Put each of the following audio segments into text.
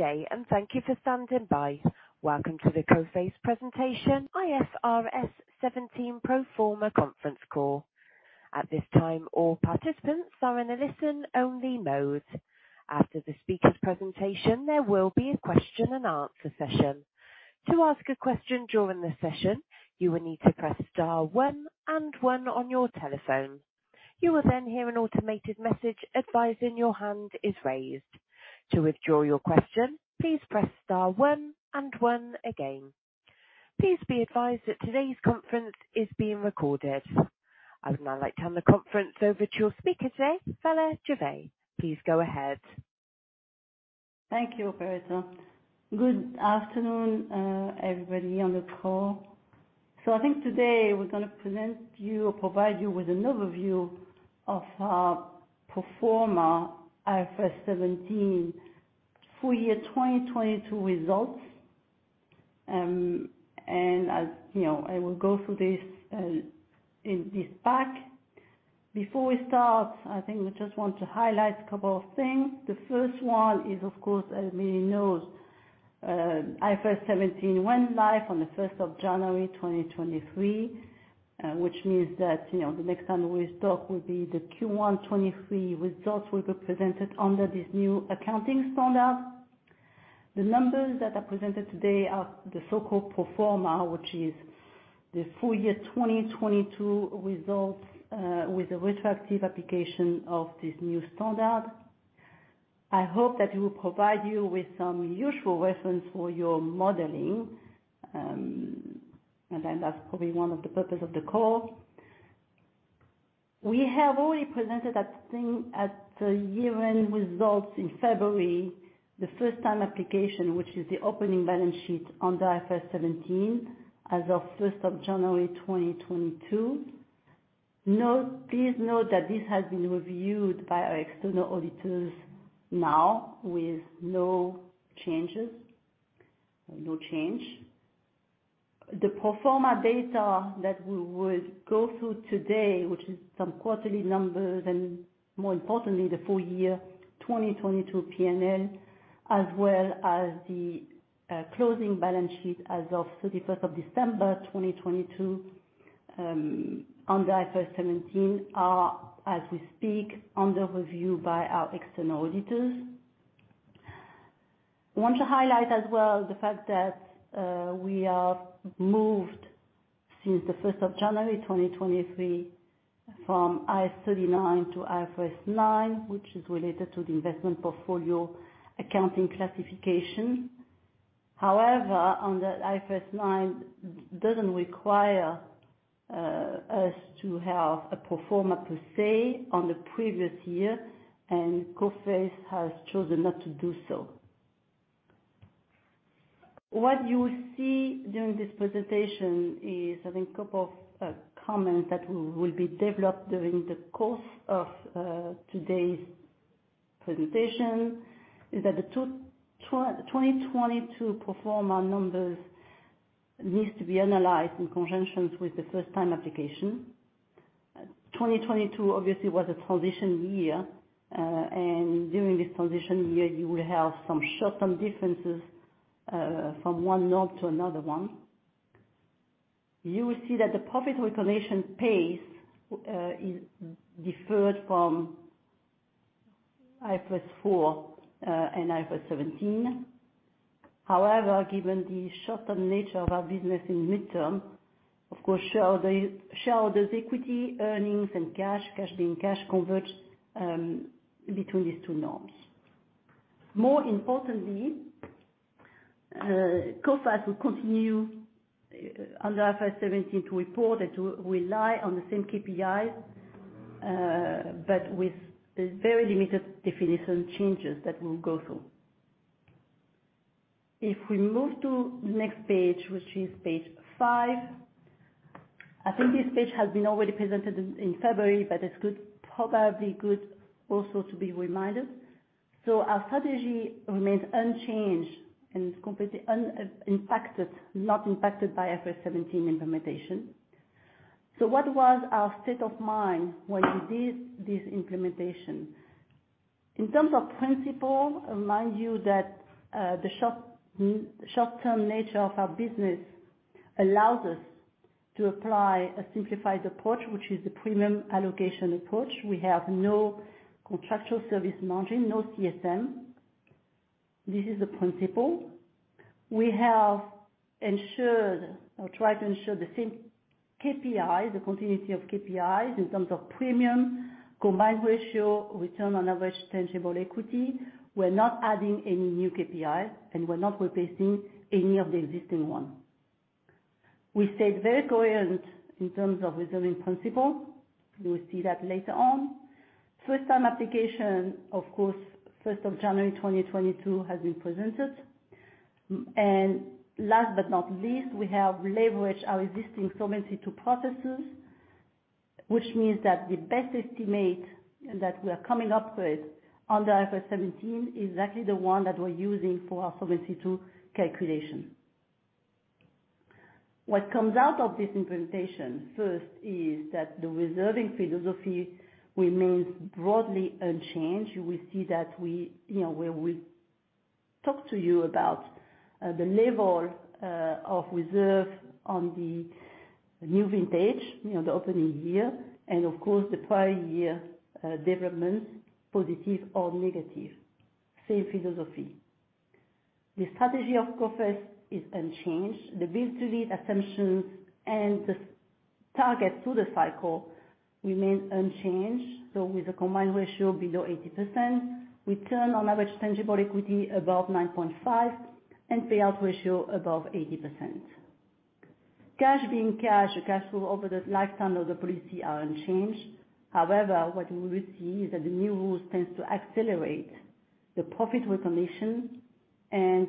Good day, thank you for standing by. Welcome to the Coface presentation, IFRS 17 Pro Forma conference call. At this time, all participants are in a listen-only mode. After the speaker's presentation, there will be a question and answer session. To ask a question during the session, you will need to press star one and one on your telephone. You will hear an automated message advising your hand is raised. To withdraw your question, please press star one and one again. Please be advised that today's conference is being recorded. I would now like to turn the conference over to your speaker today, Phalla Gervais. Please go ahead. Thank you, operator. Good afternoon, everybody on the call. I think today we're gonna present you or provide you with an overview of our pro forma IFRS 17 full year 22 results. As you know, I will go through this in this pack. Before we start, I think we just want to highlight a couple of things. The first one is of course, as we know, IFRS 17 went live on the 1st of January 2023. Which means that, you know, the next time we talk will be the Q1 23 results will be presented under this new accounting standard. The numbers that are presented today are the so-called pro forma, which is the full year 2022 results, with a retroactive application of this new standard. I hope that will provide you with some useful reference for your modeling. That's probably one of the purpose of the call. We have already presented I think at the year-end results in February, the first time application, which is the opening balance sheet under IFRS 17 as of 1st of January 2022. Note, please note that this has been reviewed by our external auditors now with no changes. No change. The pro forma data that we will go through today, which is some quarterly numbers and more importantly, the full year 2022 PNL, as well as the closing balance sheet as of 31st of December 2022, under IFRS 17 are, as we speak, under review by our external auditors. Want to highlight as well the fact that we have moved since the 1st of January 2023 from IAS 39 to IFRS 9, which is related to the investment portfolio accounting classification. However, under IFRS 9 doesn't require us to have a pro forma per se on the previous year, and Coface has chosen not to do so. What you see during this presentation is, I think, couple of comments that will be developed during the course of today's presentation, is that 2022 pro forma numbers needs to be analyzed in conjunction with the first time application. 2022 obviously was a transition year, and during this transition year you will have some short-term differences from one norm to another one. You will see that the profit recognition pace is deferred from IFRS 4 and IFRS 17. However, given the short-term nature of our business in the midterm, of course shareholders equity, earnings and cash being cash converge between these two norms. More importantly, Coface will continue under IFRS 17 to report and to rely on the same KPI, but with very limited definition changes that we'll go through. If we move to the next page, which is page five. I think this page has been already presented in February, but it's good, probably good also to be reminded. Our strategy remains unchanged and completely unimpacted, not impacted by IFRS 17 implementation. What was our state of mind when we did this implementation? In terms of principle, remind you that the short-term nature of our business allows us to apply a simplified approach, which is a premium allocation approach. We have no contractual service margin, no CSM. This is the principle. We have ensured or tried to ensure the same KPI, the continuity of KPIs in terms of premium, combined ratio, return on average tangible equity. We're not adding any new KPIs, and we're not replacing any of the existing ones. We stayed very coherent in terms of reserving principle. You will see that later on. First time application, of course, 1st January 2022 has been presented. Last but not least, we have leveraged our existing Solvency II processes, which means that the best estimate that we are coming up with under IFRS 17 is exactly the one that we're using for our Solvency II calculation. What comes out of this implementation first is that the reserving philosophy remains broadly unchanged. You will see that we, you know, where we talk to you about the level of reserve on the new vintage, you know, the opening year and of course, the prior year development, positive or negative, same philosophy. The strategy of Coface is unchanged. The Build to Lead assumptions and the target through the cycle remain unchanged. With a combined ratio below 80%, return on average tangible equity above 9.5, and payout ratio above 80%. Cash being cash flow over the lifetime of the policy are unchanged. However, what we will see is that the new rules tends to accelerate the profit recognition, and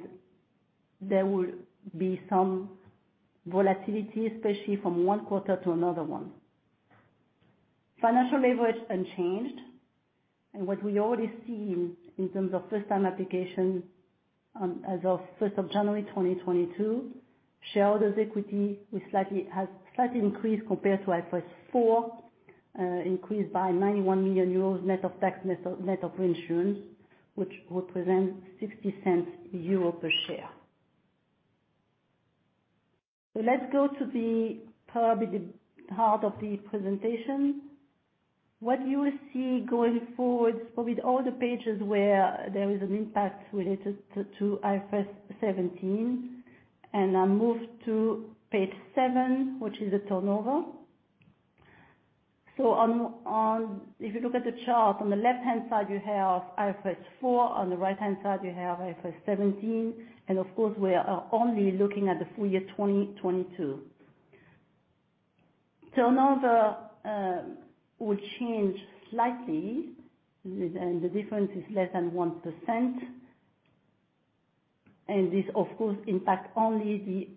there will be some volatility, especially from one quarter to another one. Financial leverage unchanged. What we already see in terms of first-time application as of 1st of January 2022, shareholders' equity has slightly increased compared to IFRS 4, increased by 91 million euros, net of tax, net of reinsurance, which represents 0.60 per share. Let's go to probably the heart of the presentation. What you will see going forward with all the pages where there is an impact related to IFRS 17, and I move to page seven, which is the turnover. If you look at the chart on the left-hand side, you have IFRS 4, on the right-hand side, you have IFRS 17, and of course, we are only looking at the full year 2022. Turnover will change slightly, and the difference is less than 1%. This, of course, impact only the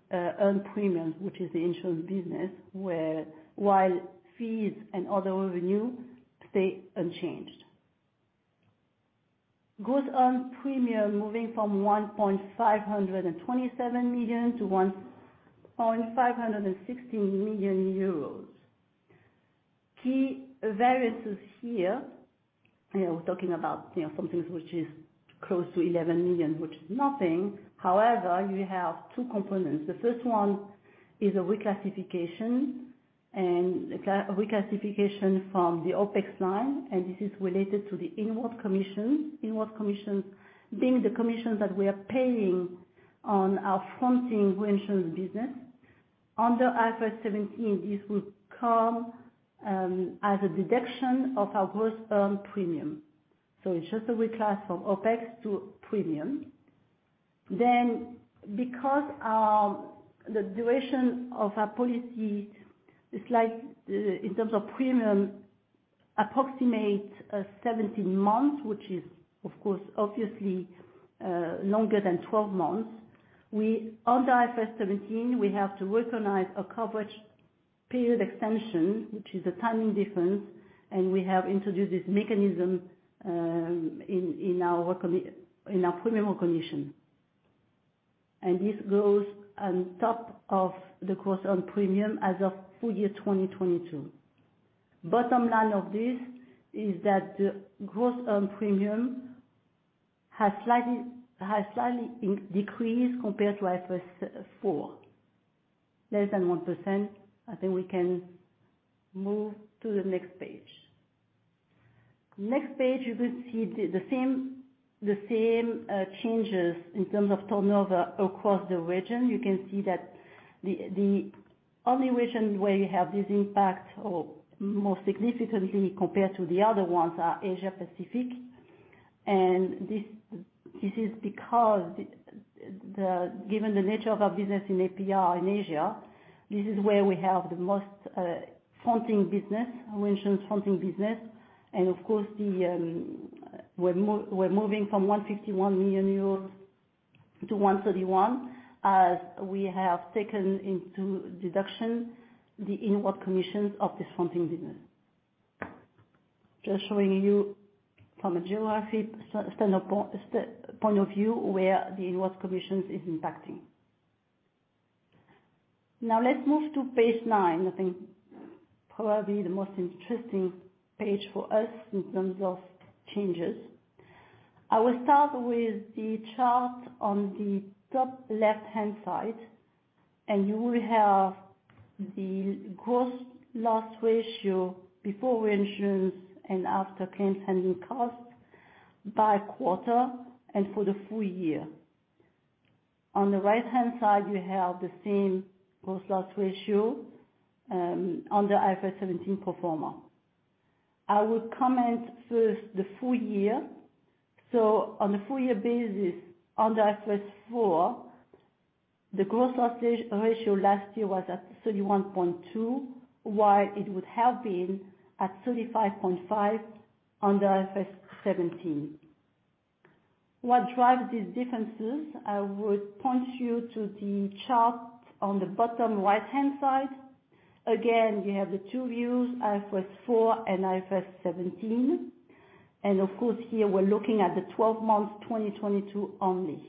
earned premium, which is the insurance business, where while fees and other revenue stay unchanged. Gross Earned Premium moving from EUR 1,527-EUR 1,560 million. Key variances here, you know, we're talking about, you know, something which is close to 11 million, which is nothing. However, you have two components. The first one is a reclassification and a reclassification from the OpEx line, and this is related to the inward commissions. Inward commission being the commission that we are paying on our fronting reinsurance business. Under IFRS 17, this will come as a deduction of our Gross Earned Premiums. It's just a reclass from OpEx to premium. Because the duration of our policy is like, in terms of premium, approximate 17 months, which is of course, obviously, longer than 12 months. Under IFRS 17, we have to recognize a coverage period extension, which is a timing difference, and we have introduced this mechanism in our premium recognition. This goes on top of the Gross Earned Premiums as of full year 2022. Bottom line of this is that the Gross Earned Premiums has slightly decreased compared to IFRS 4, less than 1%. I think we can move to the next page. Next page, you will see the same changes in terms of turnover across the region. You can see that the only region where you have this impact or more significantly compared to the other ones are Asia Pacific. Given the nature of our business in APR in Asia, this is where we have the most fronting business, reinsurance fronting business. And of course, we're moving from 151-131 million euros, as we have taken into deduction the inward commissions of this fronting business. Just showing you from a geographic standpoint of view, where the inward commissions is impacting. Now, let's move to page nine. I think probably the most interesting page for us in terms of changes. I will start with the chart on the top left-hand side. You will have the gross loss ratio before reinsurance and after claims handling costs by quarter and for the full year. On the right-hand side, you have the same gross loss ratio under IFRS 17 pro forma. I will comment first the full year. On a full year basis, under IFRS 4, the gross loss ratio last year was at 31.2, while it would have been at 35.5 under IFRS 17. What drives these differences? I would point you to the chart on the bottom right-hand side. Again, you have the two views, IFRS 4 and IFRS 17. Of course, here we're looking at the 12 months 2022 only.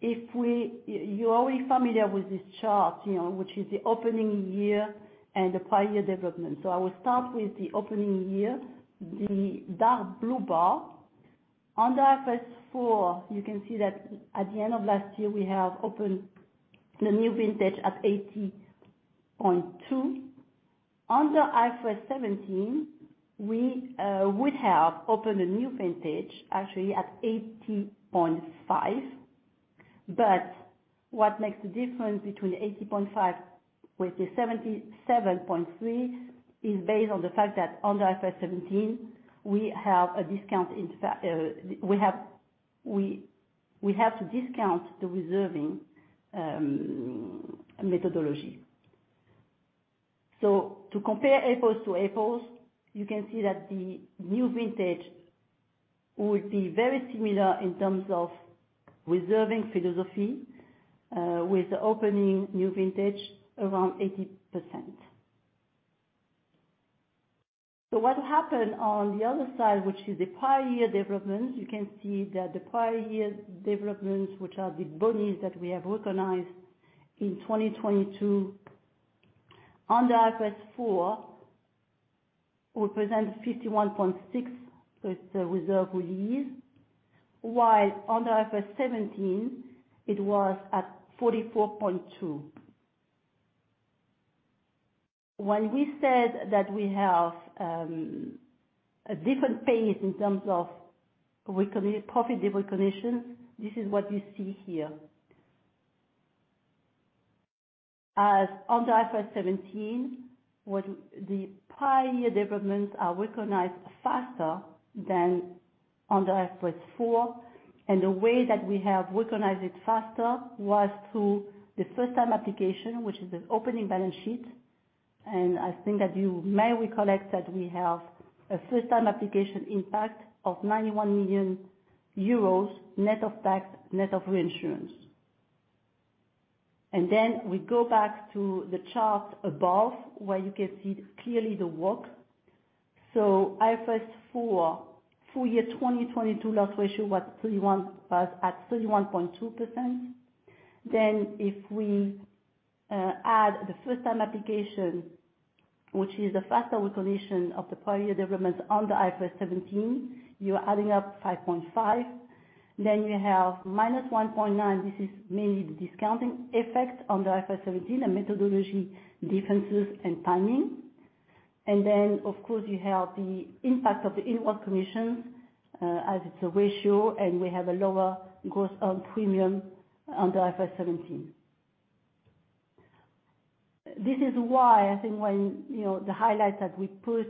You're already familiar with this chart, you know, which is the opening year and the prior year development. I will start with the opening year, the dark blue bar. Under IFRS 4, you can see that at the end of last year, we have opened the new vintage at 80.2. Under IFRS 17, we would have opened a new vintage actually at 80.5. What makes the difference between 80.5 with the 77.3 is based on the fact that under IFRS 17, we have to discount the reserving methodology. To compare apples to apples, you can see that the new vintage will be very similar in terms of reserving philosophy, with opening new vintage around 80%. What happened on the other side, which is the prior year development, you can see that the prior year developments, which are the boni that we have recognized in 2022 under IFRS 4, represent EUR 51.6 with the reserve release, while under IFRS 17 it was at EUR 44.2. When we said that we have a different pace in terms of profit recognition, this is what you see here. Under IFRS 17, what the prior year developments are recognized faster than under IFRS 4. The way that we have recognized it faster was through the first time application, which is an opening balance sheet. I think that you may recall that we have a first time application impact of 91 million euros net of tax, net of reinsurance. We go back to the chart above where you can see clearly the work. IFRS 4, full year 2022 loss ratio was at 31.2%. If we add the first time application, which is the faster recognition of the prior year developments under IFRS 17, you are adding up 5.5. You have -1.9. This is mainly the discounting effect under IFRS 17, the methodology differences and timing. Of course you have the impact of the inward commissions, as it's a ratio, and we have a lower Gross Earned Premiums under IFRS 17. This is why I think when, you know, the highlights that we put,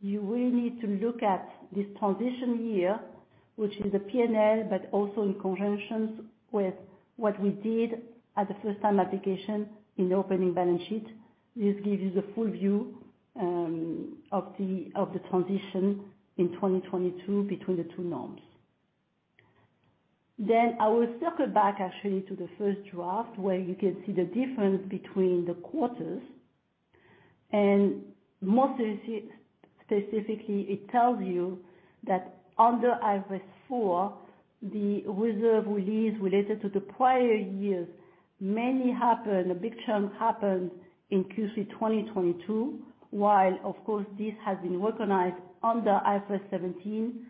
you really need to look at this transition year, which is a PNL, but also in conjunction with what we did at the first time application in the opening balance sheet. This gives you the full view of the transition in 2022 between the two norms. I will circle back actually to the first draft, where you can see the difference between the quarters, and more specifically, it tells you that under IFRS 4, the reserve release related to the prior years mainly happen, a big chunk happens in Q3 2022, while of course this has been recognized under IFRS 17,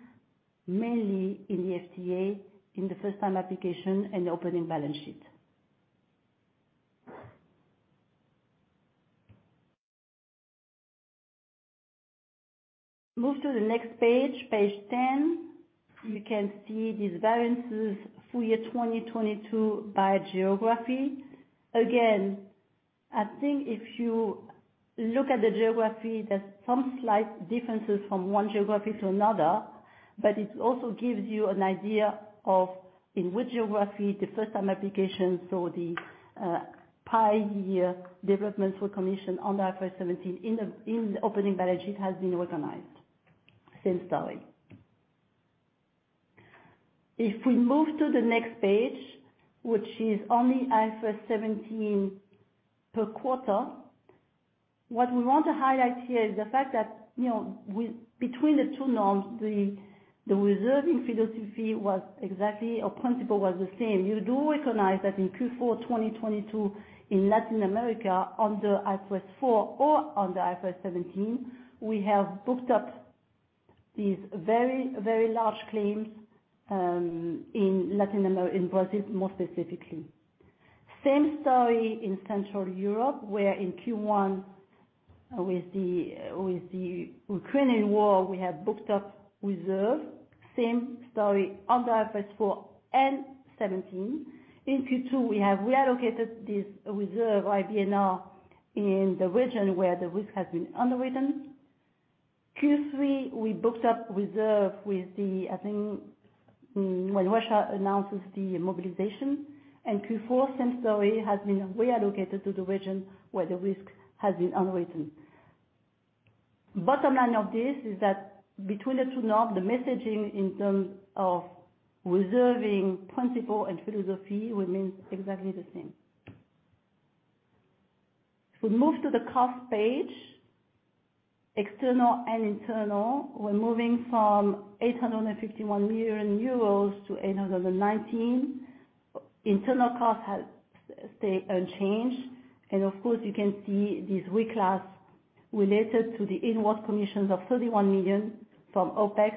mainly in the FTA, in the first time application and the opening balance sheet. Move to the next page 10. You can see these variances full year 2022 by geography. I think if you look at the geography, there's some slight differences from one geography to another, but it also gives you an idea of in which geography the first time application. The prior year developments recognition under IFRS 17 in the opening balance sheet has been recognized. Same story. If we move to the next page, which is only IFRS 17 per quarter. What we want to highlight here is the fact that, you know, between the two norms, the reserving philosophy was exactly or principle was the same. You do recognize that in Q4 2022 in Latin America, under IFRS 4 or under IFRS 17, we have booked up these very large claims in Brazil, more specifically. Same story in Central Europe, where in Q1 with the Ukrainian War, we have booked up reserve. Same story under IFRS 4 and 17. In Q2, we have reallocated this reserve IBNR in the region where the risk has been underwritten. Q3, we booked up reserve with the, when Russia announces the mobilization. Q4, same story, has been reallocated to the region where the risk has been underwritten. Bottom line of this is that between the two norm, the messaging in terms of reserving principle and philosophy remains exactly the same. If we move to the cost page, external and internal, we're moving from 851-819 million euros. Internal cost has stay unchanged. Of course, you can see this reclass related to the inward commissions of 31 million from OpEx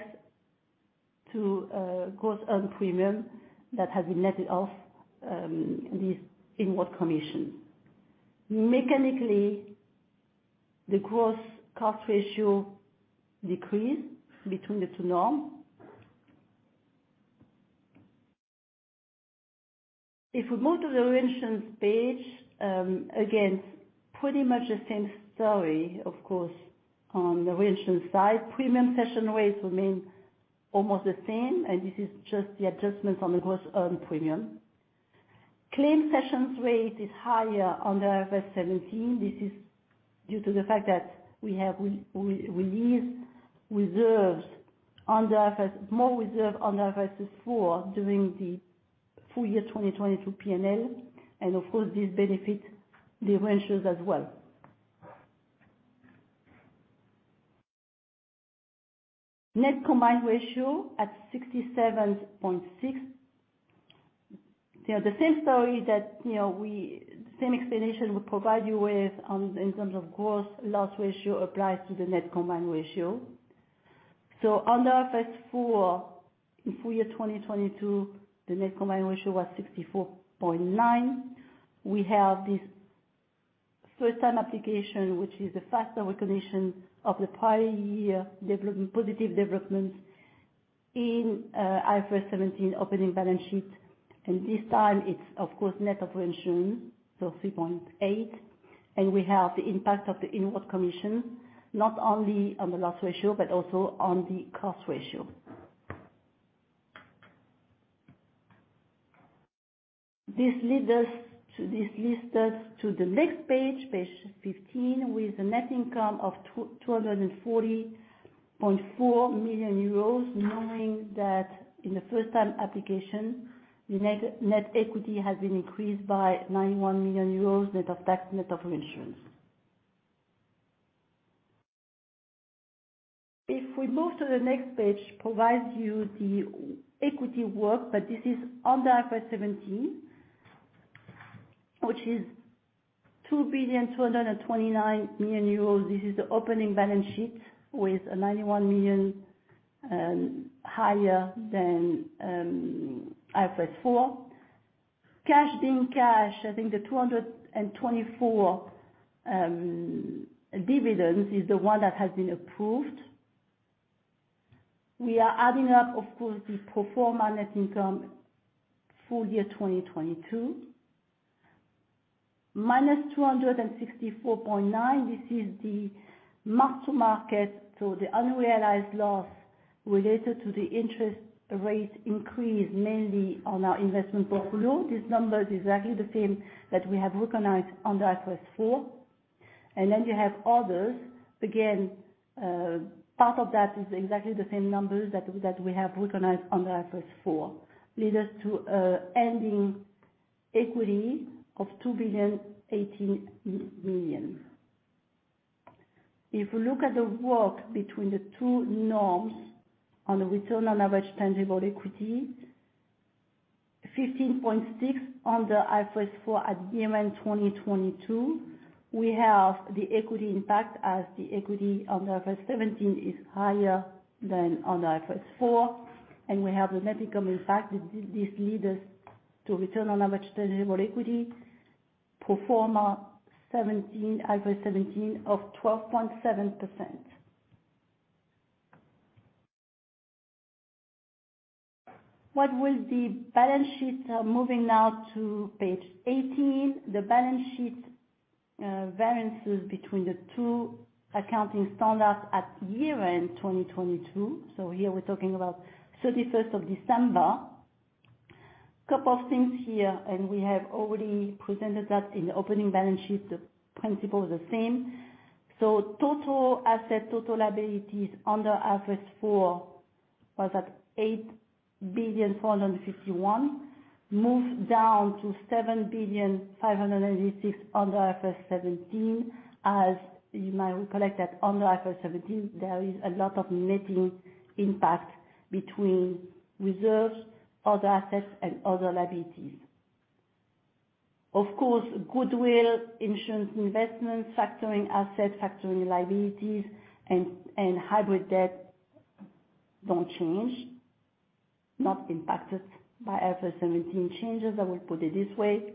to Gross Earned Premiums that has been netted off these inward commissions. Mechanically, the gross cost ratio decreased between the two norm. If we move to the reinsurance page, again, pretty much the same story, of course, on the reinsurance side. Premium cession rates remain almost the same, and this is just the adjustment on the Gross Earned Premiums. Claims cession rate is higher under IFRS 17. This is due to the fact that we have released reserves. More reserve under IFRS 4 during the full year 2022 PNL, and of course, this benefit the reinsurers as well. Net combined ratio at 67.6%. You know, the same story that, you know, we. Same explanation we provide you with on the, in terms of gross loss ratio applies to the net combined ratio. Under IFRS 4, in full year 2022, the net combined ratio was 64.9. We have this first time application, which is the faster recognition of the prior year development, positive development in IFRS 17 opening balance sheet. This time it's of course net of reinsurance, so 3.8. We have the impact of the inward commissions, not only on the loss ratio but also on the cost ratio. This leads us to the next page 15, with a net income of 240.4 million euros. Knowing that in the first time application, the net equity has been increased by 91 million euros net of tax, net of reinsurance. If we move to the next page, provides you the equity work, but this is under IFRS 17, which is 2 billion 229 million. This is the opening balance sheet with a 91 million higher than IFRS 4. Cash, being cash, I think the 224 dividends is the one that has been approved. We are adding up, of course, the pro forma net income full year 2022. Minus 264.9, this is the mark-to-market, so the unrealized loss related to the interest rate increase, mainly on our investment portfolio. This number is exactly the same that we have recognized under IFRS 4. You have others. Again, part of that is exactly the same numbers that we have recognized under IFRS 4. Lead us to ending equity of 2.08 billion. If you look at the work between the two norms on the return on average tangible equity, 15.6% under IFRS 4 at year-end 2022. We have the equity impact as the equity under IFRS 17 is higher than under IFRS 4, and we have the net income impact. This leads us to return on average tangible equity, pro forma 17, IFRS 17, of 12.7%. What will the balance sheet? Moving now to page 18. The balance sheet variances between the two accounting standards at year-end 2022. Here we're talking about 31st of December. Couple of things here, and we have already presented that in the opening balance sheet. The principle is the same. Total asset, total liabilities under IFRS 4 was at 8.451 billion, moved down to 7.596 billion under IFRS 17. You might recollect that under IFRS 17, there is a lot of netting impact between reserves, other assets and other liabilities. Of course, goodwill, insurance investments, factoring assets, factoring liabilities and hybrid debt don't change, not impacted by IFRS 17 changes, I will put it this way.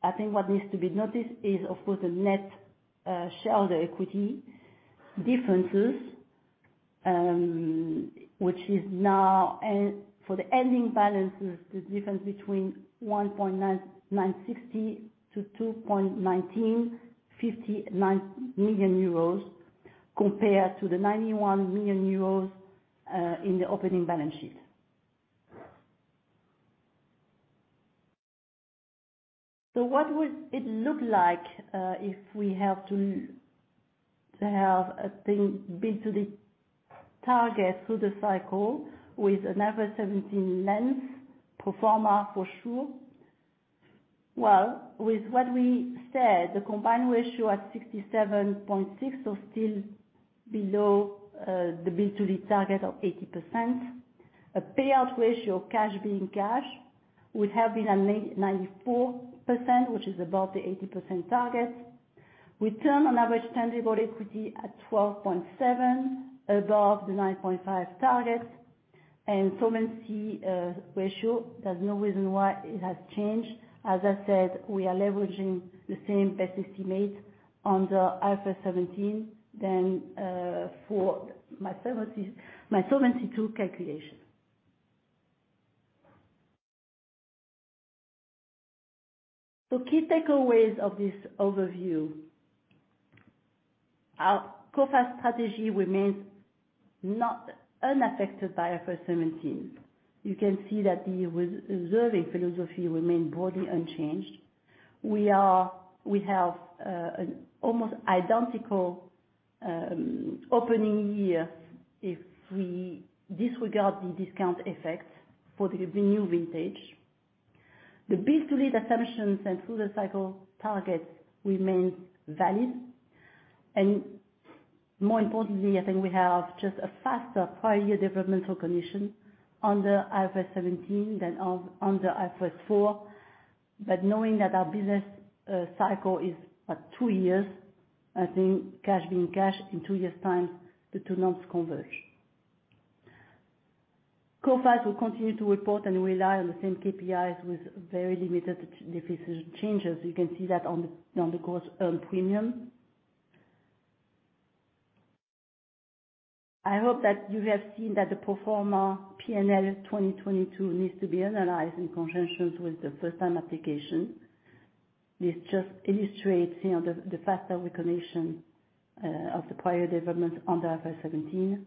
I think what needs to be noticed is, of course, the net shareholder equity differences, which is now the difference between 1.9960-2.1959 million euros, compared to 91 million euros in the opening balance sheet. What would it look like if we have to have a thing build to the target through the cycle with another 17 lens pro forma for sure? Well, with what we said, the combined ratio at 67.6% or still below the build to lead target of 80%. A payout ratio, cash being cash, would have been at 94%, which is above the 80% target. Return on average tangible equity at 12.7% above the 9.5% target. Solvency ratio, there's no reason why it has changed. As I said, we are leveraging the same best estimate under IFRS 17 than for my 2022 calculation. Key takeaways of this overview. Our Coface strategy remains not unaffected by IFRS 17. You can see that the reserving philosophy remain broadly unchanged. We have an almost identical opening year if we disregard the discount effect for the new vintage. The Build to Lead assumptions and through-the-cycle targets remain valid. More importantly, I think we have just a faster prior year developmental condition under IFRS 17 than under IFRS 4. Knowing that our business cycle is at two years, I think cash being cash in two years time, the two norms converge. Coface will continue to report and rely on the same KPIs with very limited changes. You can see that on the Gross Earned Premiums. I hope that you have seen that the pro forma PNL 2022 needs to be analyzed in conjunction with the first time application. This just illustrates, you know, the faster recognition of the prior development under IFRS 17.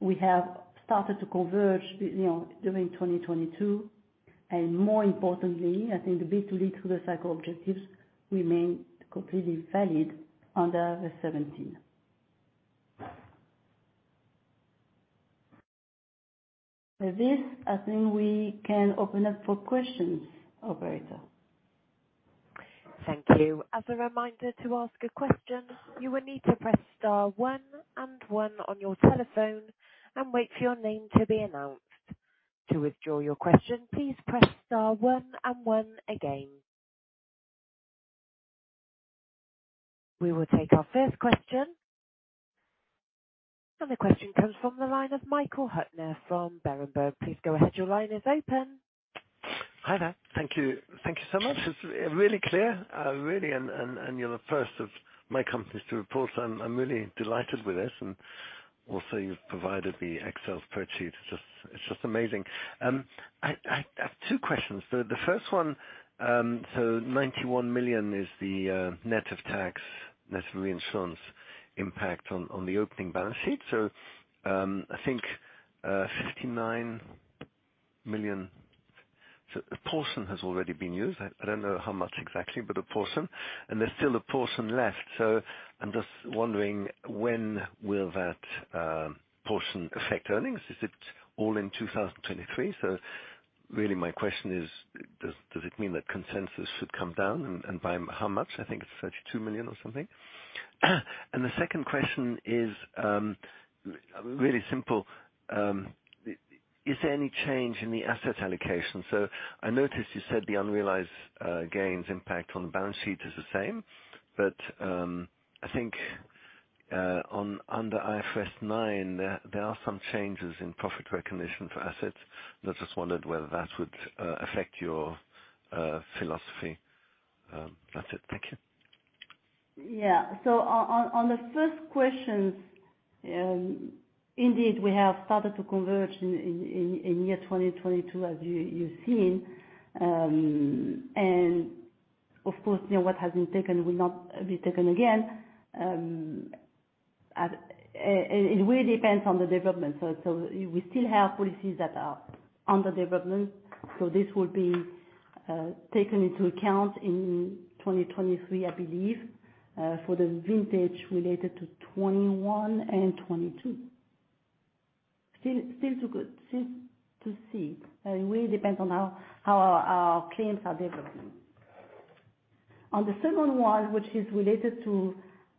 We have started to converge, you know, during 2022, and more importantly, I think the Build to Lead through the cycle objectives remain completely valid under IFRS 17. With this, I think we can open up for questions. Operator. Thank you. As a reminder to ask a question, you will need to press star one and one on your telephone and wait for your name to be announced. To withdraw your question, please press star one and one again. We will take our first question. The question comes from the line of Michael Huttner from Berenberg. Please go ahead. Your line is open. Hi there. Thank you. Thank you so much. It's really clear. Really, and you're the first of my company to report, I'm really delighted with this. Also you've provided the Excel spreadsheet. It's just amazing. I have two questions. The first one, 91 million is the net of tax, net reinsurance impact on the opening balance sheet. I think 59 million, a portion has already been used. I don't know how much exactly, but a portion, and there's still a portion left, I'm just wondering when will that portion affect earnings? Is it all in 2023? Really my question is does it mean that consensus should come down and by how much? I think it's 32 million or something. The second question is really simple. Is there any change in the asset allocation? I noticed you said the unrealized gains impact on the balance sheet is the same, I think under IFRS 9, there are some changes in profit recognition for assets. I just wondered whether that would affect your philosophy. That's it. Thank you. Yeah. On the first question, indeed, we have started to converge in year 2022, as you've seen. Of course, you know what has been taken will not be taken again. It really depends on the development. We still have policies that are under development. This will be taken into account in 2023, I believe, for the vintage related to 2021 and 2022. Still to see. It really depends on how our claims are developing. On the second one, which is related to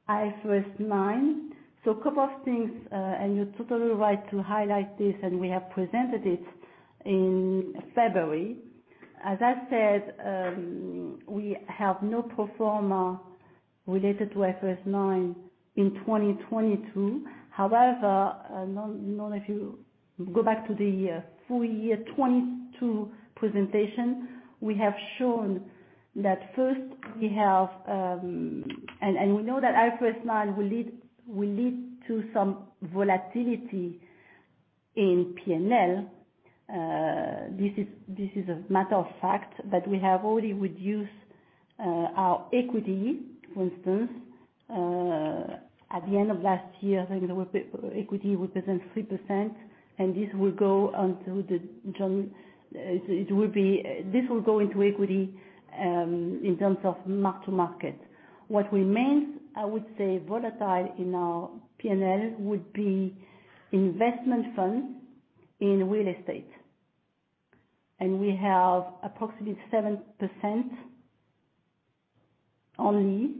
IFRS 9. A couple of things, you're totally right to highlight this, and we have presented it in February. As I said, we have no pro forma related to IFRS 9 in 2022. However, Norm, if you go back to the full year 2022 presentation, we have shown that first we have, we know that IFRS 9 will lead to some volatility in PNL. This is a matter of fact that we have already reduced our equity, for instance, at the end of last year, you know, equity represent 3%, and this will go until the June. This will go into equity, in terms of mark-to-market. What remains, I would say volatile in our PNL would be investment funds in real estate. We have approximately 7% only,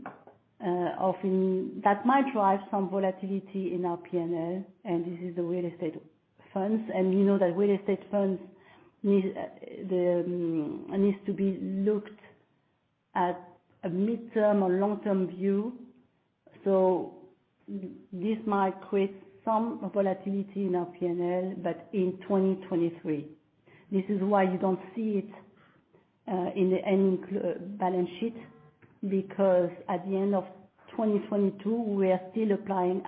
of the, that might drive some volatility in our PNL, and this is the real estate funds. We know that real estate funds needs to be looked at a midterm or long-term view. This might create some volatility in our PNL. In 2023. This is why you don't see it, in any balance sheet, because at the end of 2022, we are still applying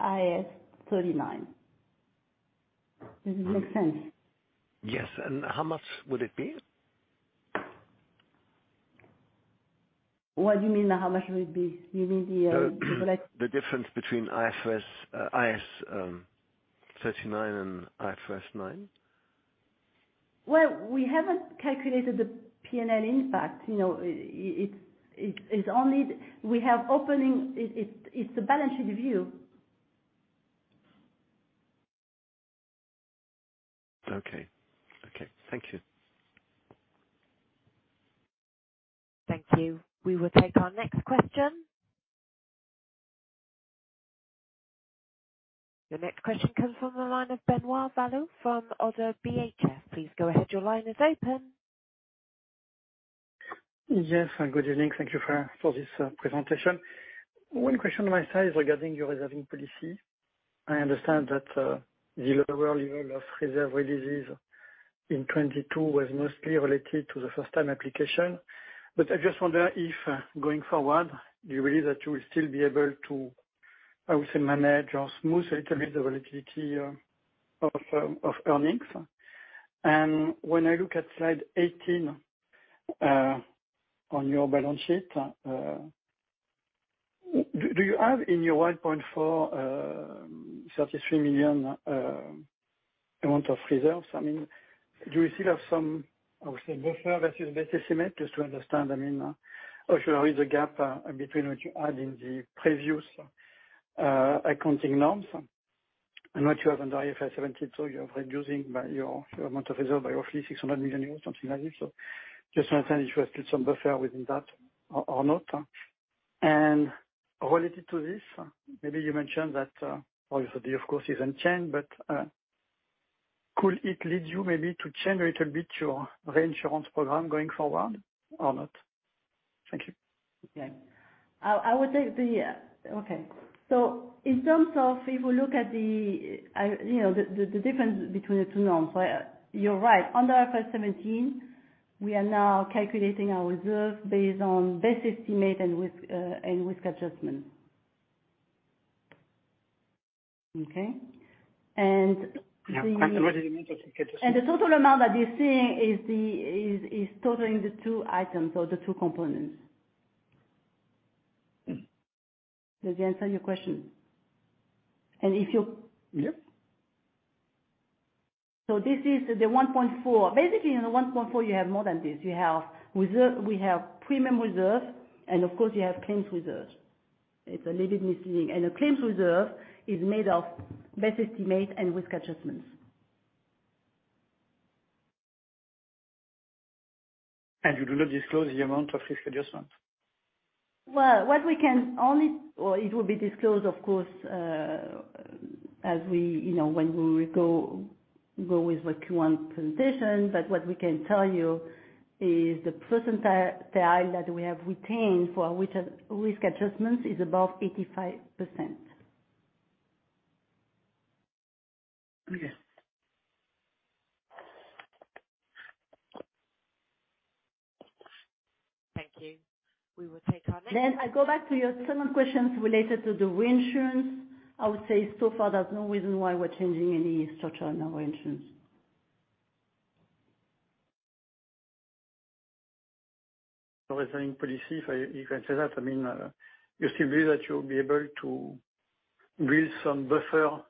IAS 39. Does it make sense? Yes. How much would it be? What do you mean how much would it be? You mean the. The difference between IAS 39 and IFRS 9. Well, we haven't calculated the PNL impact. You know, it's only. It's a balance sheet view. Okay. Okay. Thank you. Thank you. We will take our next question. The next question comes from the line of Benoit Valleaux from ODDO BHF. Please go ahead. Your line is open. Yes, good evening. Thank you for this presentation. One question on my side regarding your reserving policy. I understand that the lower level of reserve releases in 2022 was mostly related to the first time application. I just wonder if, going forward, do you believe that you will still be able to, I would say, manage or smooth a little bit the volatility of earnings? When I look at slide 18 on your balance sheet, do you have in your 1.433 million amount of reserves? I mean, do you still have some, I would say, buffer versus best estimate, just to understand, I mean, or should I read the gap between what you had in the previous accounting norms and what you have under IFRS 17, you are reducing by your amount of reserve by roughly 600 million euros, something like this. just understand if you have still some buffer within that or not. related to this, maybe you mentioned that, obviously the course isn't changed, but, could it lead you maybe to change a little bit your reinsurance program going forward or not? Thank you. I would say. Okay. In terms of if you look at, you know, the difference between the two norms, you're right. Under IFRS 17, we are now calculating our reserve based on best estimate and risk adjustment. Okay? Yeah. What does it mean? The total amount that you're seeing is totaling the two items or the two components. Does it answer your question? Yep. This is the 1.4. Basically, in the 1.4, you have more than this. You have reserve, we have premium reserve, and of course you have claims reserve. It's a little bit misleading. The claims reserve is made of best estimate and risk adjustments. You do not disclose the amount of risk adjustments? Well, it will be disclosed of course, as we, you know, when we will go with the Q1 presentation. What we can tell you is the percentile that we have retained for which has risk adjustments is above 85%. Okay. Thank you. We will take our. I go back to your second question related to the reinsurance. I would say so far there's no reason why we're changing any structure on our reinsurance. The reserving policy, you can say that, I mean, you still believe that you'll be able to build some buffer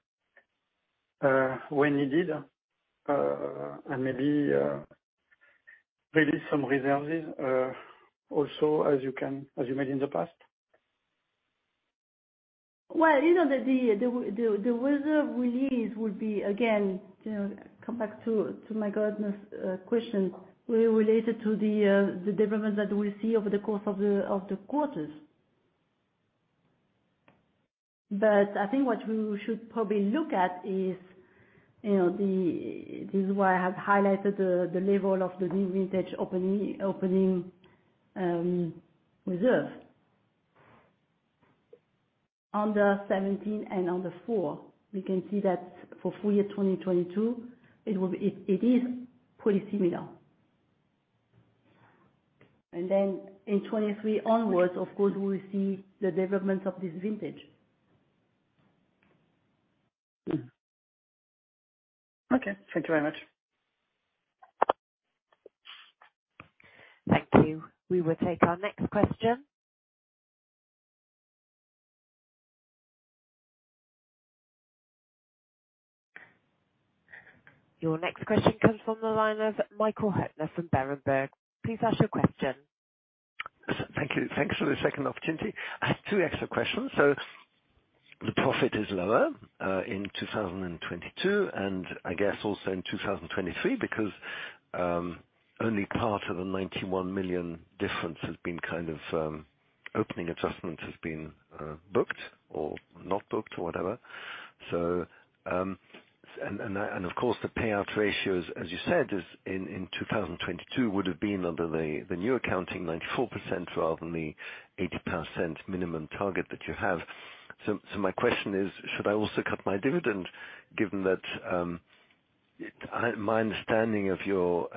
when needed, and maybe release some reserves also as you made in the past? You know that the reserve release will be again, you know, come back to my gardener's question, related to the development that we see over the course of the quarters. I think what we should probably look at is, you know, This is why I have highlighted the level of the new vintage opening reserve. Under seventeen and under four, we can see that for full year 2022 it is pretty similar. In 2023 onwards, of course, we will see the development of this vintage. Okay. Thank you very much. Thank you. We will take our next question. Your next question comes from the line of Michael Huttner from Berenberg. Please ask your question. Thank you. Thanks for the second opportunity. I have two extra questions. The profit is lower in 2022, and I guess also in 2023, because only part of the 91 million difference has been kind of opening adjustments has been booked or not booked or whatever. And of course, the payout ratios, as you said, is in 2022, would have been under the new accounting, 94% rather than the 80% minimum target that you have. My question is, should I also cut my dividend given that My understanding of your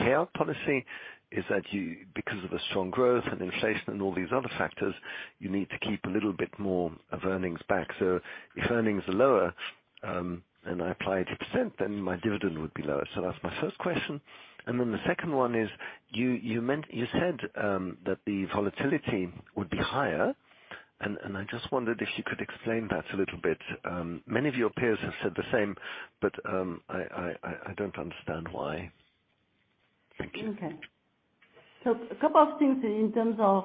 payout policy is that you, because of the strong growth and inflation and all these other factors, you need to keep a little bit more of earnings back. If earnings are lower, and I apply 80%, then my dividend would be lower. That's my first question. The second one is, You said that the volatility would be higher. I just wondered if you could explain that a little bit. Many of your peers have said the same, but I don't understand why. Thank you. A couple of things in terms of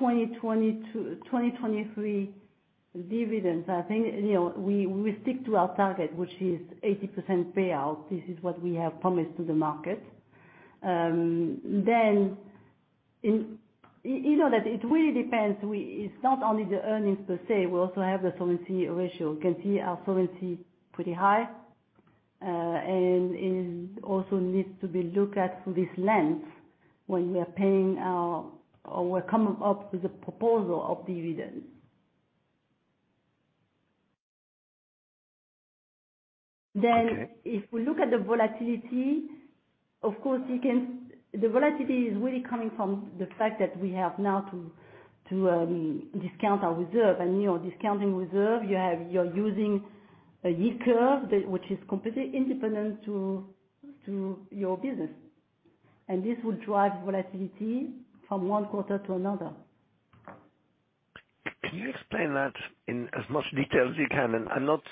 2020-2023 dividends, I think, you know, we stick to our target, which is 80% payout. This is what we have promised to the market. You know that it really depends. It's not only the earnings per se, we also have the solvency ratio. You can see our solvency pretty high, and it also needs to be looked at through this lens when we are paying our, or we're coming up with a proposal of dividends. Okay. If we look at the volatility, of course the volatility is really coming from the fact that we have now to discount our reserve. You know, discounting reserve, you're using a yield curve which is completely independent to your business. This will drive volatility from one quarter to another. Can you explain that in as much detail as you can? I'm not,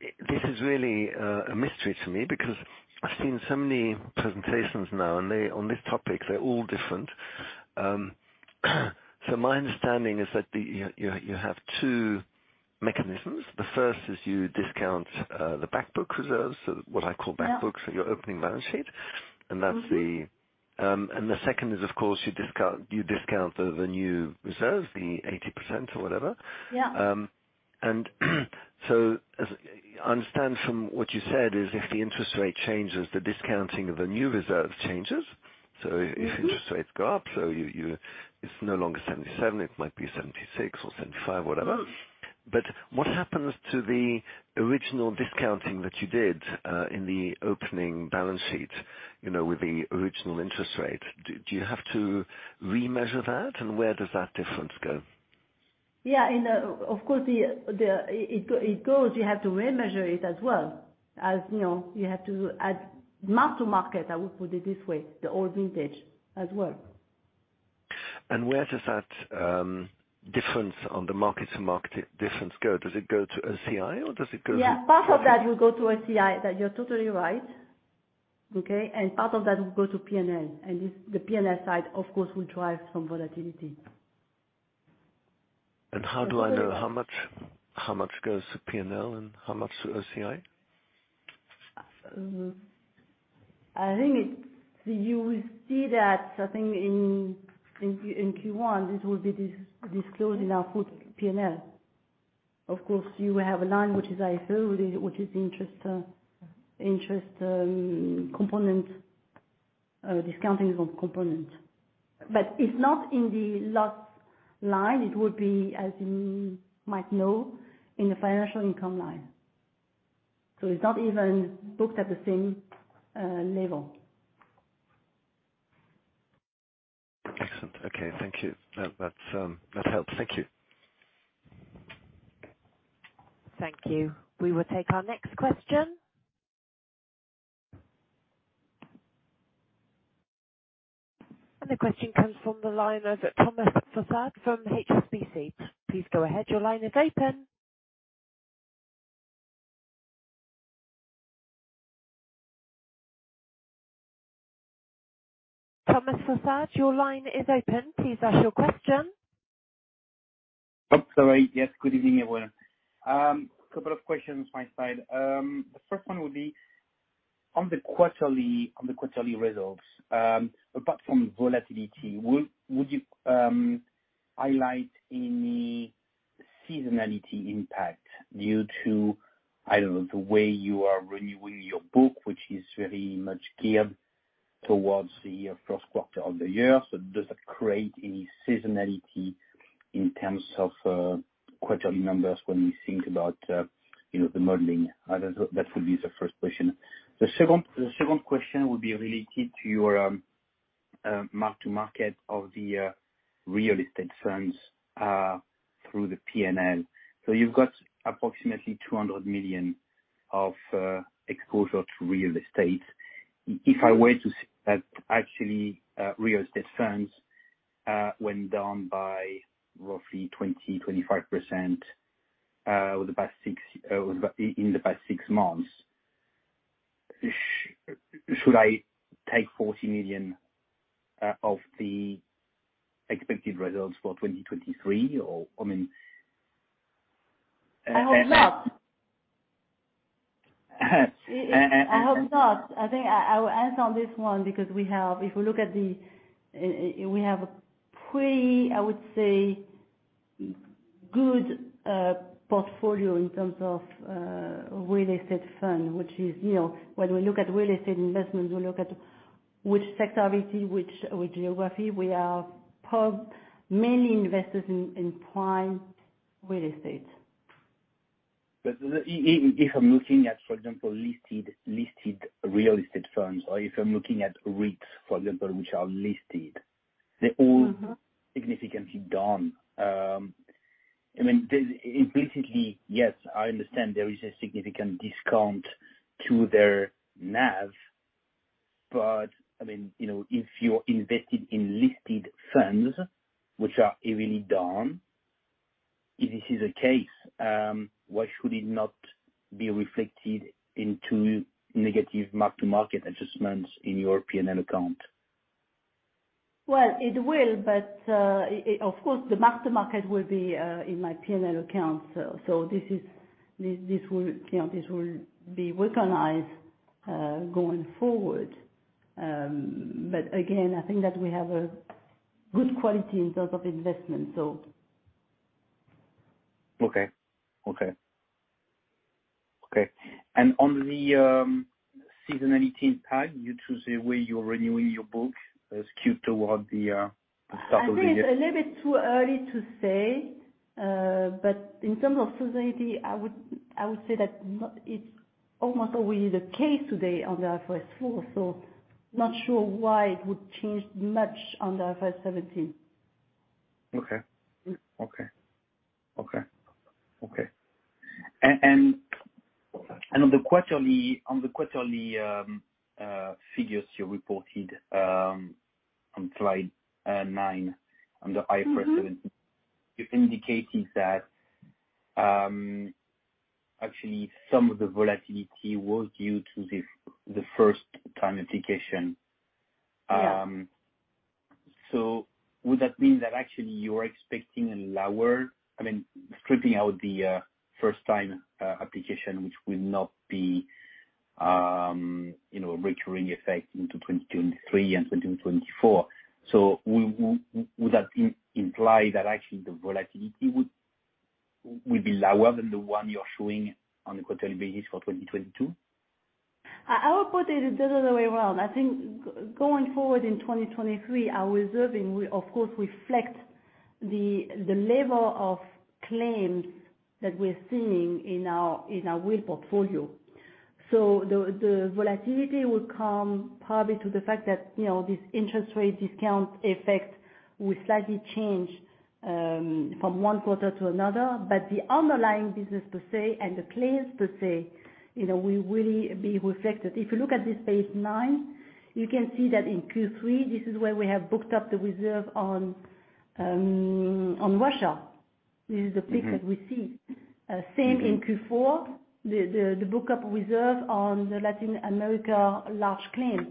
This is really a mystery to me, because I've seen so many presentations now, They, on this topic, they're all different. My understanding is that you have two mechanisms. The first is you discount the back book reserves, so what I call back books your opening balance sheet. Mm-hmm. The second is, of course, you discount the new reserves, the 80% or whatever. Yeah. As I understand from what you said is if the interest rate changes, the discounting of the new reserve changes. Mm-hmm. If interest rates go up, so it's no longer 77, it might be 76 or 75, whatever. Mm-hmm. What happens to the original discounting that you did, in the opening balance sheet, you know, with the original interest rate? Do you have to remeasure that? Where does that difference go? Yeah. In, of course, the, it goes. You have to remeasure it as well as, you know, you have to add mark-to-market, I would put it this way, the old vintage as well. Where does that difference on the mark-to-market difference go? Does it go to OCI or does it go to? Yeah. Part of that will go to OCI. That you're totally right. Okay? Part of that will go to PNL. If the PNL side, of course, will drive some volatility. How do I know how much goes to PNL and how much to OCI? You will see that in Q1. This will be disclosed in our full PNL. Of course, you will have a line which is IFIE, which is interest, component, discounting of component. It's not in the last line. It would be, as you might know, in the financial income line. It's not even booked at the same level. Excellent. Okay. Thank you. That's, that helps. Thank you. Thank you. We will take our next question. The question comes from the line of Thomas Fossard from HSBC. Please go ahead. Your line is open. Thomas Fossard, your line is open. Please ask your question. Oh, sorry. Yes. Good evening, everyone. Couple of questions my side. The first one would be on the quarterly, on the quarterly results. Apart from volatility, would you highlight any seasonality impact due to, I don't know, the way you are renewing your book, which is very much geared towards the first quarter of the year? Does that create any seasonality in terms of quarterly numbers when you think about, you know, the modeling? I don't know. That would be the first question. The second question would be related to your mark-to-market of the real estate firms through the PNL. You've got approximately 200 million of exposure to real estate. If I were to actually, real estate firms went down by roughly 20%-25% in the past six months. Should I take 40 million of the expected results for 2023, or, I mean? I hope not. I hope not. I think I will answer on this one because we have. If you look at the. We have a pretty, I would say, good portfolio in terms of real estate fund, which is, you know, when we look at real estate investments, we look at which sector it is, which geography. We are mainly investors in prime real estate. If I'm looking at, for example, listed real estate firms, or if I'm looking at REITs, for example, which are. Mm-hmm. They're all significantly down. I mean, basically, yes, I understand there is a significant discount to their NAV, but, I mean, you know, if you're invested in listed firms which are heavily down, if this is the case, why should it not be reflected into negative mark-to-market adjustments in your PNL account? It will, but, of course, the mark-to-market will be in my PNL account. This will, you know, this will be recognized going forward. Again, I think that we have a good quality in terms of investment, so. Okay. Okay. Okay. On the seasonality tag, you choose the way you're renewing your book, skewed toward the start of the year? I think it's a little bit too early to say, but in terms of seasonality, I would say that. It's almost always the case today on the IFRS 9, so not sure why it would change much on the IFRS 17. Okay. Mm. Okay. on the quarterly figures you reported on slide nine under IFRS 17, you're indicating that, actually some of the volatility was due to the first time application. Yeah. Would that mean that actually you're expecting a lower, I mean, stripping out the first time application, which will not be, you know, a recurring effect into 2023 and 2024? Would that imply that actually the volatility would be lower than the one you're showing on a quarterly basis for 2022? I would put it the other way around. I think going forward in 2023, our reserving will of course reflect the level of claims that we're seeing in our wheel portfolio. The volatility will come probably to the fact that, you know, this interest rate discount effect will slightly change from one quarter to another. The underlying business per se and the claims per se, you know, will really be reflected. If you look at this page nine, you can see that in Q3 this is where we have booked up the reserve on Russia. This is the peak that we see. Same in Q4, the book up reserve on the Latin America large claim.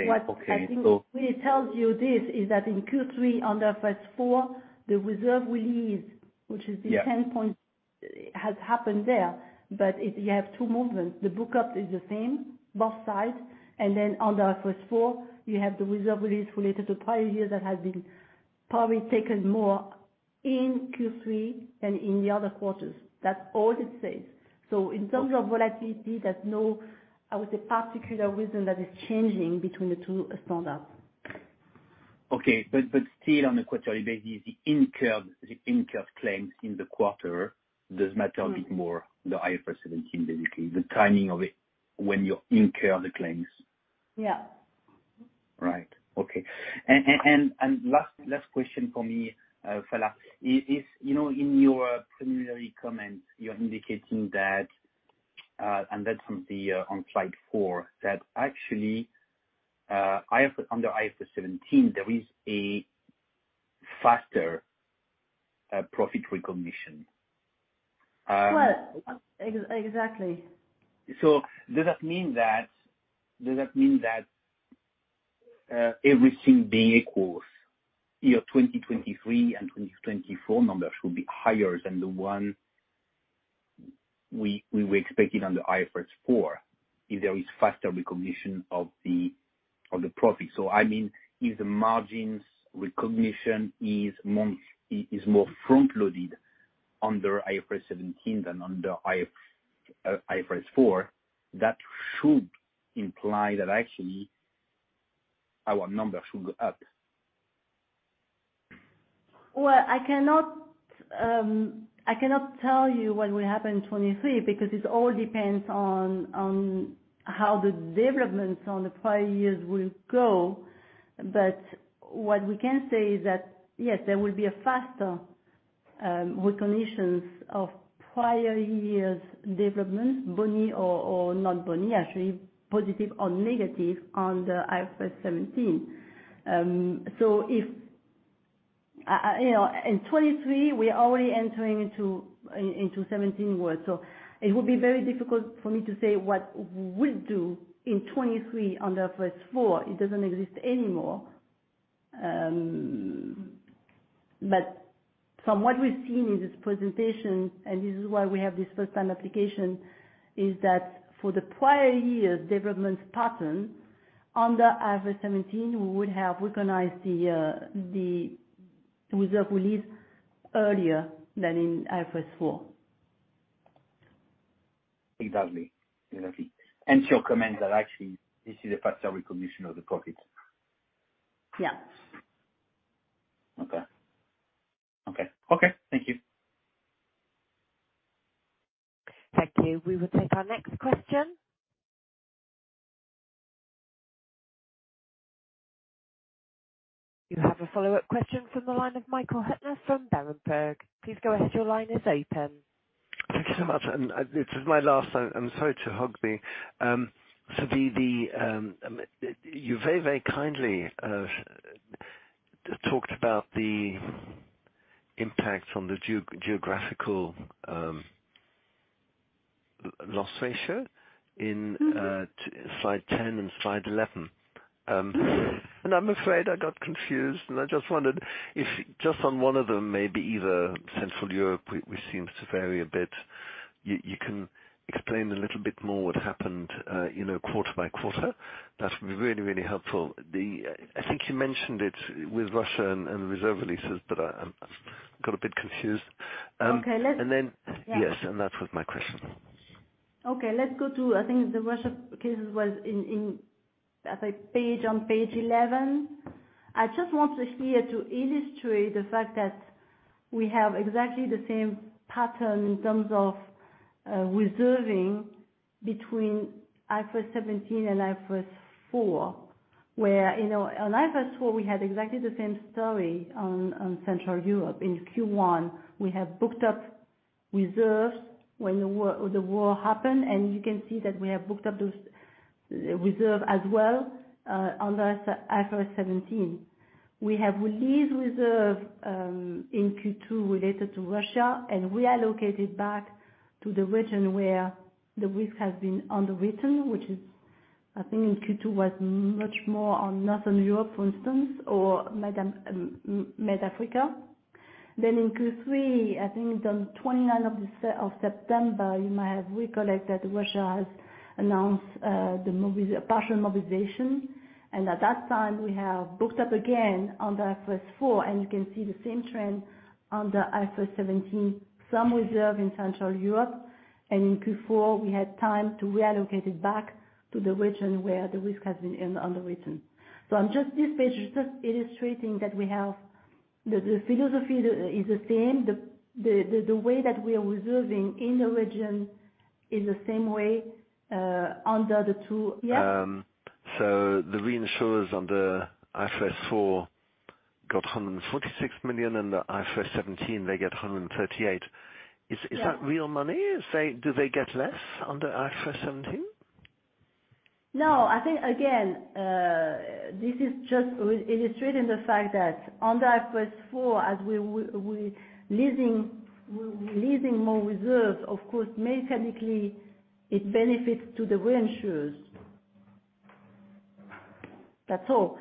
Okay. What I think really tells you this is that in Q3 under IFRS 4, the reserve release, which is. Yeah. 10 point, has happened there. If you have two movements, the book up is the same both sides. Under IFRS 4 you have the reserve release related to prior years that have been probably taken more in Q3 than in the other quarters. That's all it says. In terms of volatility, there's no, I would say, particular reason that it's changing between the two standups. Okay. Still on a quarterly basis, the incurred claims in the quarter does matter. Mm. A bit more the IFRS 17 basically, the timing of it when you incur the claims. Yeah. Right. Okay. Last question for me, Phalla, is, you know, in your preliminary comments, you're indicating that, and that's on slide four, that actually, under IFRS 17, there is a faster profit recognition. Well, exactly. Does that mean that everything being equals, your 2023 and 2024 numbers will be higher than the one we were expecting on the IFRS 4 if there is faster recognition of the, of the profit? I mean, if the margins recognition is more front loaded under IFRS 17 than under IFRS 4, that should imply that actually our numbers should go up. Well, I cannot tell you what will happen in 2023 because it all depends on how the developments on the prior years will go. What we can say is that yes, there will be a faster recognitions of prior years developments, boni or not boni, actually, positive or negative on the IFRS 17. If, you know, in 2023 we are already entering into 17 world, it would be very difficult for me to say what we'll do in 2023 under IFRS 4. It doesn't exist anymore. From what we've seen in this presentation, and this is why we have this first time application, is that for the prior year development pattern under IFRS 17, we would have recognized the reserve release earlier than in IFRS 4. Exactly. Exactly. Your comment that actually this is a faster recognition of the profit. Yeah. Okay. Okay. Okay, thank you. Thank you. We will take our next question. You have a follow-up question from the line of Michael Huttner from Berenberg. Please go ahead. Your line is open. Thank you so much. This is my last. I'm sorry to hog the, the you very kindly talked about the impact on the geographical loss ratio slide 10 and slide 11. I'm afraid I got confused, and I just wondered if just on one of them, maybe either Central Europe which seems to vary a bit, you can explain a little bit more what happened, you know, quarter-by-quarter. That would be really, really helpful. I think you mentioned it with Russia and reserve releases, but I'm, I've got a bit confused. Okay. And then- Yeah. Yes, that was my question. Okay. Let's go to, I think the Russia cases was in, I think, page, on page 11. I just want to here to illustrate the fact that we have exactly the same pattern in terms of reserving between IFRS 17 and IFRS 4, where, you know, on IFRS 4 we had exactly the same story on Central Europe. In Q1, we have booked up reserves when the war happened, and you can see that we have booked up those reserve as well, under IFRS 17. We have released reserve in Q2 related to Russia and reallocated back to the region where the risk has been underwritten, which is I think in Q2 was much more on Northern Europe, for instance, or maybe, Mediterranean Africa. In Q3, I think on 29 of September, you might have recalled that Russia has announced the partial mobilization, at that time, we have booked up again under IFRS 4. You can see the same trend under IFRS 17, some reserve in Central Europe. In Q4, we had time to reallocate it back to the region where the risk has been underwritten. On just this page, it's just illustrating that we have the philosophy is the same. The, the way that we are reserving in the region is the same way under the two. Yeah? The reinsurers on the IFRS 4 got 146 million, and the IFRS 17 they get 138 million. Yeah. Is that real money? Do they get less under IFRS 17? No. I think again, this is just re-illustrating the fact that under IFRS 4, as we're releasing more reserves, of course, mechanically it benefits to the reinsurers. That's all.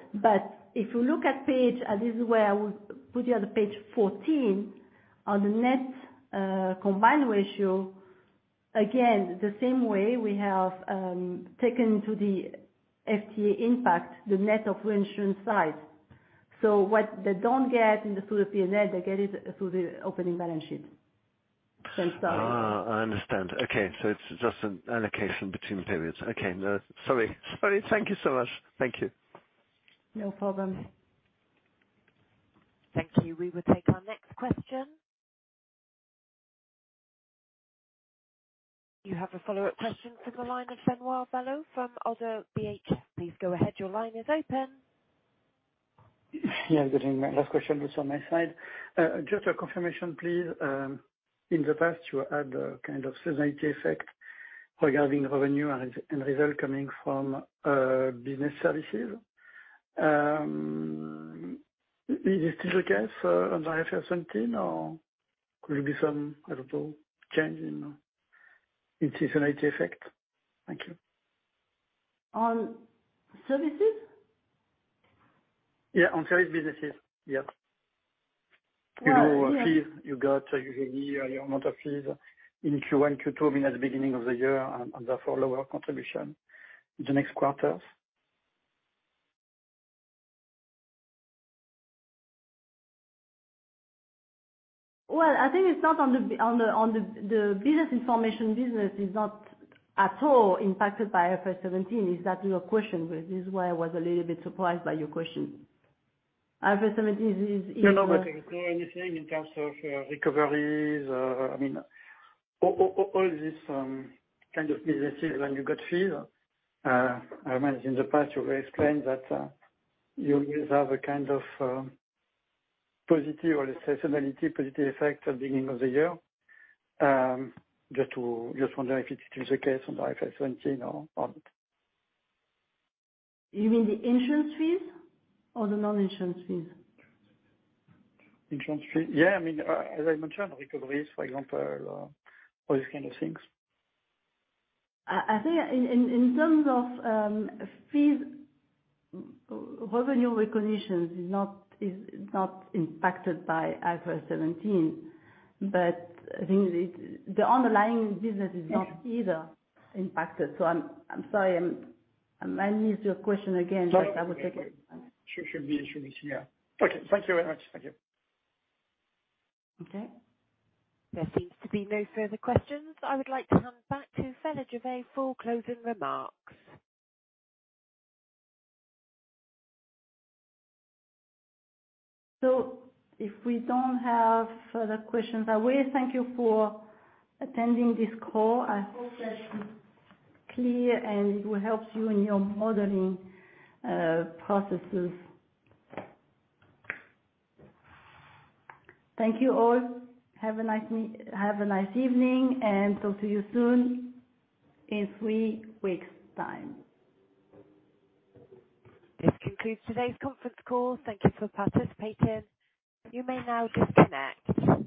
If you look at page, and this is where I would put you on the page 14, on the net combined ratio. Again, the same way we have taken to the FTA impact, the net of reinsurance size. What they don't get through the PNL, they get it through the opening balance sheet. Sorry. I understand. Okay. It's just an allocation between the periods. Okay. Sorry. Thank you so much. Thank you. No problem. Thank you. We will take our next question. You have a follow-up question from the line of Benoit Valleaux from ODDO BHF. Please go ahead. Your line is open. Good evening. My last question, this on my side. Just a confirmation, please. In the past, you had a kind of seasonality effect regarding revenue and result coming from business services. Is this still the case under IFRS 17 or could there be some, I don't know, change in seasonality effect? Thank you. On services? Yeah, on service businesses. Yeah. Well, yeah. You know fees, you got usually your amount of fees in Q1, Q2, I mean, at the beginning of the year and therefore lower contribution in the next quarters. Well, I think it's not on the business information business is not at all impacted by IFRS 17. Is that your question? This is why I was a little bit surprised by your question. IFRS 17 is. No, no. Anything in terms of recoveries, I mean, all these kind of businesses when you got fees. I imagine in the past you were explained that you guys have a kind of positive or seasonality positive effect at the beginning of the year. Just wondering if it is the case on the IFRS 17 or not? You mean the insurance fees or the non-insurance fees? Insurance fee. Yeah, I mean, as I mentioned, recoveries for example, all these kind of things. I think in terms of fees, revenue recognition is not impacted by IFRS 17. I think the underlying business is not either impacted. I'm sorry, I missed your question again. Sure. Yeah. Okay. Thank you very much. Thank you. Okay. There seems to be no further questions. I would like to hand back to Phalla Gervais for closing remarks. If we don't have further questions, I will thank you for attending this call. I hope that's clear, and it will help you in your modeling processes. Thank you all. Have a nice evening, and talk to you soon in three weeks time. This concludes today's conference call. Thank you for participating. You may now disconnect.